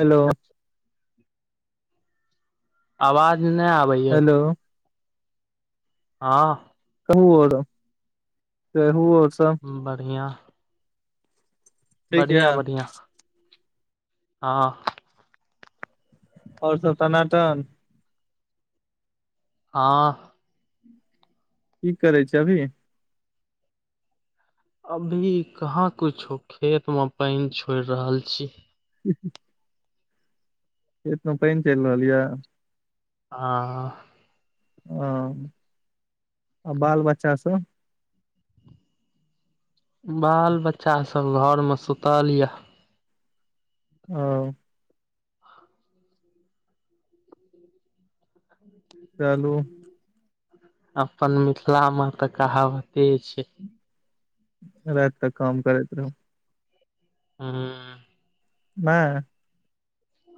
Hello. अवाज नै आव हेलो। हां। कहु आरो कहु और सब बढ़िया। ठीक य बढ़िया-बढ़िया हां। और सब टनाटन हां। की करै छीयै अभी? अभी कहाँ कुछो खेत मे पैन छोड़ रहल छीयै। हूूँ खेतमे पैन चैल रहल यै? हां। औ आ बाल-बच्चा सब? बाल-बच्चा सब घर मे सुतल यै। औ। ह [unintelligible] ह [inaudible] चलू अप्पन मिथिला मे तऽ कहावते छै। राइत तक काम करैत रहू। हम्म नैय।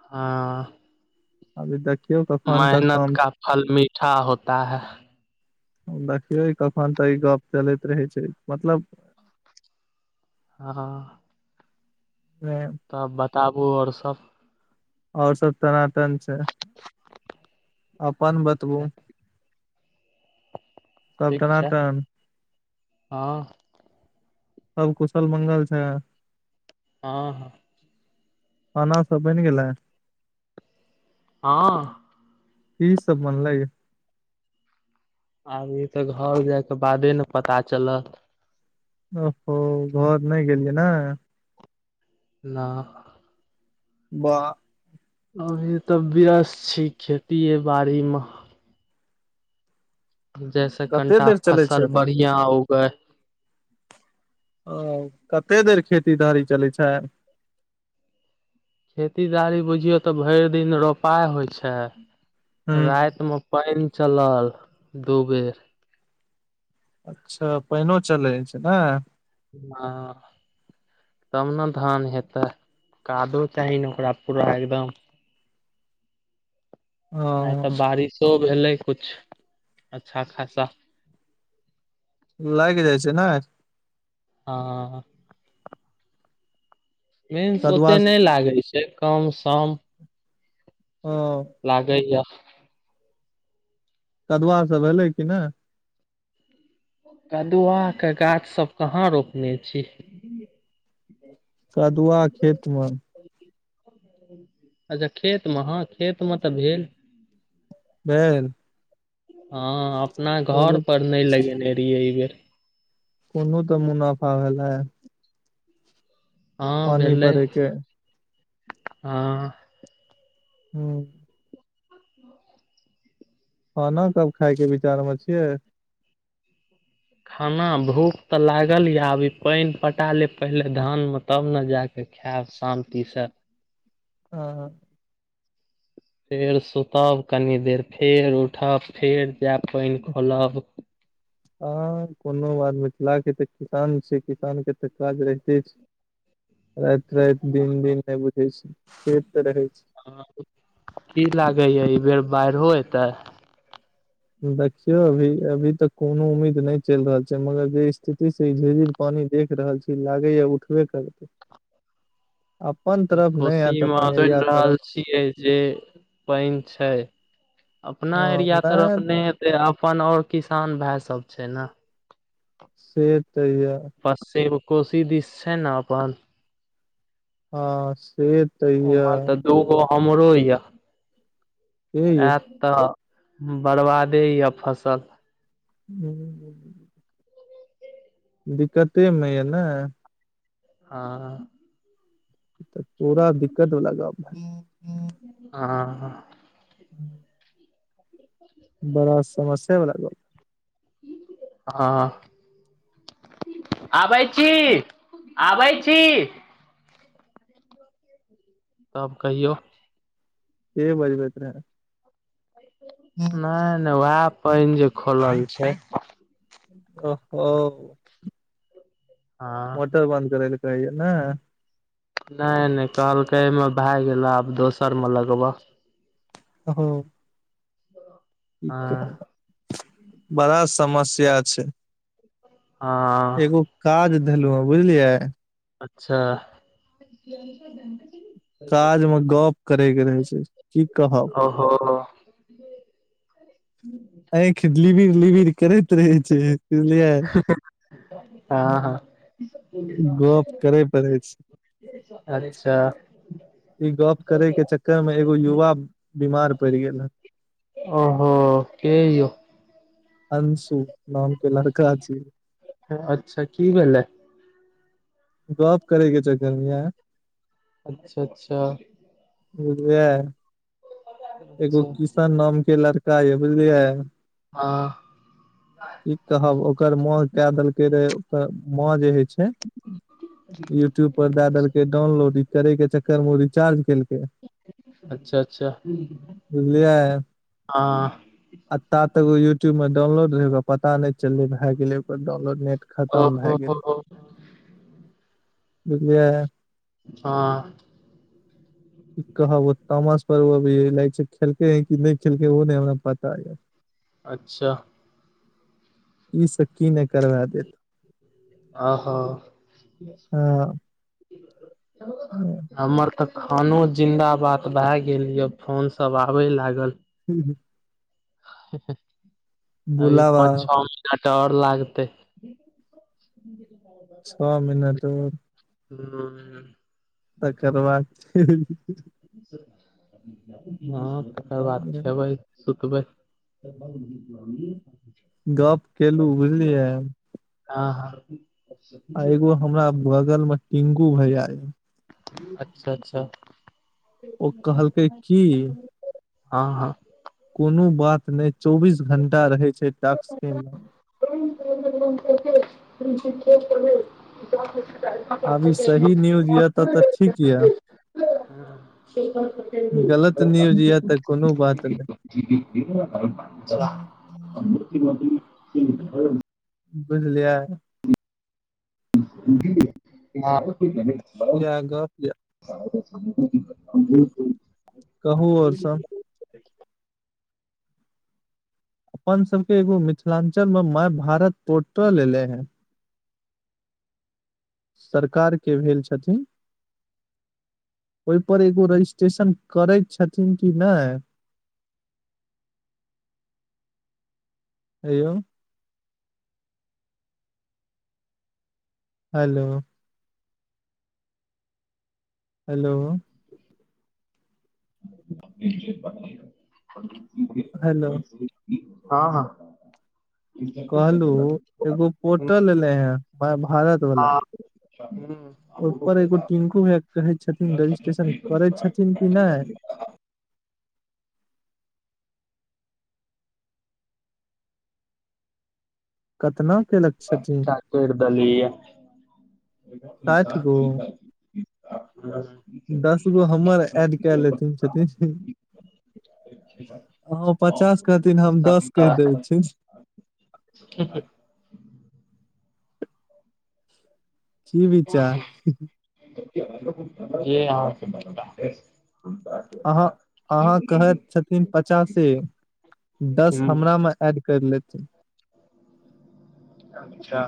हा अभि देखियो त। मेहनत का फल मीठा होता है। देखियौ कखन तऽ ई गप चलैत रहै छै, मतलब। हा ह तब बताबू आ और सब। और सब टनाटन छै, अपन ठीक बतबू छै सब ठीक छै टनाटन हँ। सब कुशल मंगल छै। हँ -हँ खाना सब बईन गेलै, हँ कि सब बनलेइ। आ इ त घर जायके बादे ने पता चलत। ओ हो घर नै गेलियै ने। ना वाह अभी तऽ व्यस्त छी, खेतीे बाड़ी मे। जैसे कते कनिटा देर चलै छै फसल अपन बढ़िया उगे। आ कते देर खेती धड़ी चलैत छै। खेती दारी बुझियौ तऽ भरि दिन रोपाइ होइ छै, हूँ राईत मऽ। पाईन चलल दू बेर। अच्छा पाईनओ चले छै ने। हँ तब ने धान हेतै कादो चाही ने, ओकरा पूरा एकदम आइ ओ त बारिशो भेलै कुछ अच्छा खासा लाईग जाइ छै ने। हा मिन्स कदुआ ओते नहि लागै छै, कम सम [unintelligible] हँ लागैया। कदवा सब भेलै कि नै। कदुआ के गाछ सब कहाँ रोपने छी। कदुआ खेत मे। अच्छा खेत मे हँ खेत मे तऽ भेल। भेल हँ अपना घर चलू पर नई लगेने रहियै ई बेर। कुनू तऽ मुनाफा भेलै। हँ पानी भैलेइ पड़े के हँ हम्म खाना कब खाय के विचार में छियै। खाना भूख तऽ लागल या अभी पानि पटा ले पहिले धान में तब ने जा के खायब शान्तिसँ। हँ। फेर सुतब कनि देर फेर उठब फेर जायब पैन खोलब। हाँ कोनो बात मिथिला के तऽ किसान छैय किसान के तऽ काज रहिते छैय। राति राति दिन दिन नहि बुझै छैय खेत तऽ रहै छैय। की लागे य ई बेर बाढ़ि एतै। देखियौ अभी अभी तऽ कोनो उम्मीद नहि चैल रहल छैय मगर जे स्थिति से पानि देख रहल छी लागैए उठबे करतै। अपन तरफ नहि ऐत अपन एरिया तरफ। ई यै जे पैन छैय अपना हँ एरिया तरफ नहि ने से अपन और किसान भाय सब छैय ने। से तै ये। पश्चिम कोशी दिस छैय नै अपन। हाँ से तऽ यै जे उम्हरो यै से ये एत तऽ बरबादे ये फसल। [unintelligible] दिक्कतेमे यऽ ने। हाँ। तऽ पुरा दिक्कत वाला गप्प भेल। हाँ। हूँ [inaudible] बड़ा समस्या बला गप्प। हाँ। आबै छी आबै छी। तब कहियौ। केँ बजबैत रहै। नहि नहि उएह पैन जे खोलल छैय। ओहो। हँ मोटर बन्द करैले कहैयै नै नहि नहि कहलकै ए मे भए गेलऽ आब दोसरमे लगबऽ। अ ह। ठीक हँ छैय बड़ा समस्या छैय। हँ एगो काज धलहुँ हेँ बुझलियै। अच्छा। काज मे गप्प करे के रहै छैय की कहब हँ। [unintelligible] आँखि लिबिर लिबिर करैत रहे छैय बुझलियै। हाँ हाँ। गप करे पड़े छै अच्छा। ई गप्प करे के चक्कर में एगो युवा बीमार पड़ गेल हेँ। हो, केँ यौ। अंशु, नामके लड़का छै। अच्छा, की भेला। गप्प करैके चक्करमे या, अच्छा -अच्छा, [unintelligible] एगो अच्छा किशन नाम के लड़का यै, बुझलियै, हां, की कहब, ओकर माँ क देलकै रे, ओकर मौज हे। छै, यूट्यूब पर दए देलके, डाउनलोड करे के चक्कर मे, ओ रिचार्ज केलकै, अच्छा- अच्छा, हँ, बुझलिये। आ ता तक, ओ यूट्यूब मे डाउनलोड रहै, ओकरा पता नहि चले, भए गेल ओकर डानलोड नेट खतम ओहो भैए गेल, हो बुझयै, हँ, कह वो, तामश पर ओ अभी, लागै छै खेलकै, कि नहि खेलकेै, ओहो न हमरा पता या। अच्छा, कि सब की नहि करबा देत, ओहो हँ, हमर तक खानो जिंदाबाद भए गेल ये, फोन सब आबे लागल, हूं -हूं, अभी बुलावा पाँच छ मिहिना त ओर लागतै। छः मिनट रूक, हूं, तकर बाद फेर हँ, तकर बाद खेबै, सुतबै, गप केलू, बुझलियै, हां- हां, आ एगो हमरा बगल में, टिंकू भैया अय, अच्छा -अच्छा, ओ कहलकै की, हँ, हँ, कोनो बात नहि, चौबीस घंटा रहै छै, टक्सय में, [unintelligible] न्युज तब तऽ, ठीक या, से कह [unintelligible] गलत न्यूज या, तऽ कोनो बात नहि [unintelligible] [inaudible] ई ह [unintelligible] [inaudible] बुझलियै, [unintelligible] [inaudible] या गप य कहू ओर सब। अपन सबके एगो मिथिलांचल मे माय भारत पोर्टल एले हे। सरकार के भेल छथिन। ओहि पर एगो रजिस्ट्रेशन करै छथिन कि नहि। हे यो। हेलो। हेलो। हेलो हँ हँ। कहलहु एगो पोर्टल एले हे मय भारत हँ। ओहिपर एगो टिंकू भैया कहै छथिन रजिस्ट्रेशन करै छथिन कि नहि। [inaudible] कतना केलक छथिन टा कोरि देलिय। साठि गो [unintelligible] दस गो हमर एऐड केल हेतै जतै छियै ह पचास कहथिन हम दस कहि देबै टीक छै ह [unintelligible] की विचार। जे अहाँ के विचार अछि। अहाँ अहाँ कहैथ छथिन पचासे दस हमरा मे एड करि लेथिन। अच्छा।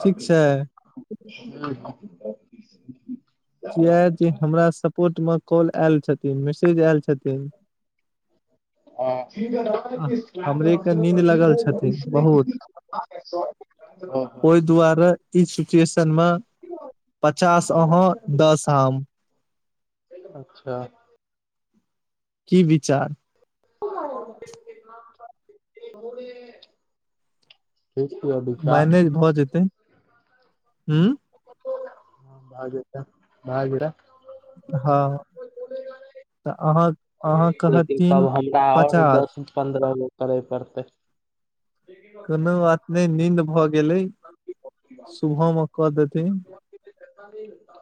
ठीक छै किया जे हमरा सपोर्टमे कॉल ऐल छथिन मैसेज ऐल छथिन। हमरे के नींद लगल [inaudible] छथिन बहुत [unintelligible] ओहि दुआरे ई सिचुएशन मे पचास अहाँ दस हम। अच्छा। की विचार। [unintelligible] मैनेज भऽ जेतै हूं। भऽ जेतय भ जेते हँ तऽ अहाँ अहाँ लेकिन तब कहथिन हमरा और पचास दस पन्द्रह गो करे पड़तै। कोनो बात नहि नींद भ गेलै। सुबहमे क देथिन।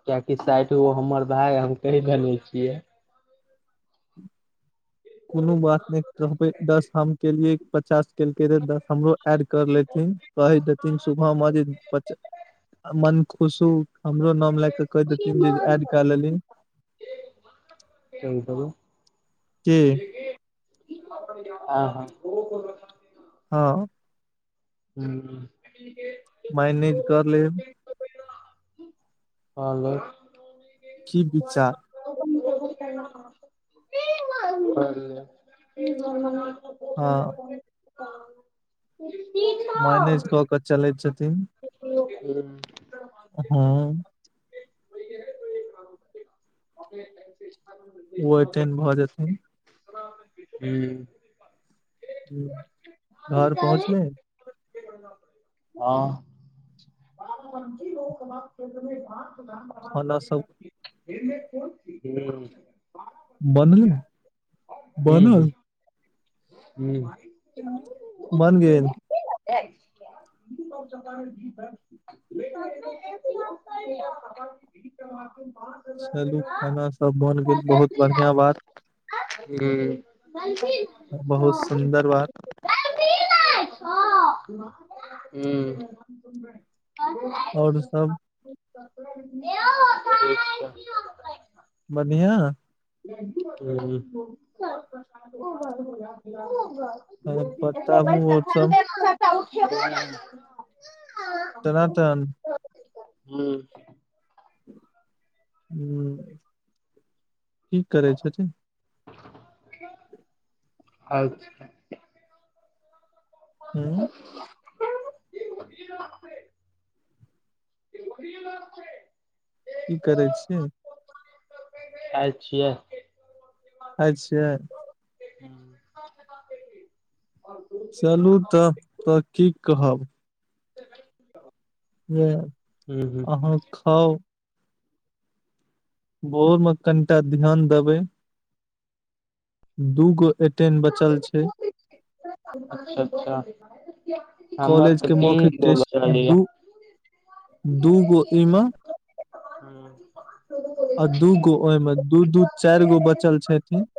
कियकि साइठ गो हमर भाग हम कहि देने छियै। कोनो बात नहि कहबै दस हम के लिए पचास केलकै रहे दस हमरो एड कर लेथिन कहि देथिन सुबह में जे पचा मन खुश हु हमरो नाम लए क कहि देथिन जे ऐड क लेली। कहु के हं हं। हँ। [unintelligible] माइनेज कऽ लेब। हालो। की विचार? [unintelligible] [inaudible] [unintelligible] [unintelligible] हँ। माइनेज क क चलैय छथिन। [inaudible] हुम्मऽ। हँ। [inaudible] ओ ऐतैन भ जेथिन। हूं। हं, घर पहुँचले? आंह। [inaudible] [inaudible] खाना सब बनऽलय ने? बऽनल? कि? [inaudible] बान गेल? [unintelligible] [unintelligible] [unintelligible] मम्मी एकटा [unintelligible] कहियौ? [unintelligible] बाद चलू खाना सब बन गेल बहुत बढ़िया बात। [unintelligible] ह्म्म। बन्धी बहुत सुन्दर बात। [inaudible] हूं। और सब? [unintelligible] [unintelligible] बधियां? [unintelligible] ऊंह [inaudible] [unintelligible] [unintelligible] हं बताबू आउर सब? [unintelligible] उठेबो [unintelligible] टनाटन। हूं। हम्म, की करै छथिन? अछ हूँ? बाह [unintelligible] की करै छियै? आई छीया। खाई छियै? हूं। चलू तऽ तऽ की कहब। जे हूँ अहाँ खाउ भोर मे कनिटा ध्यान देबै। दू गो एटेन बचल छै। अच्छा अच्छा हमर कॉलेज त के तीन मौखिक गो बचाल या। दूगो ईमे हूं। आ दूगो ओहिमे दू दू चारि गो बचल छेथिन।